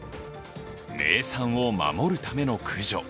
名産を守るための駆除。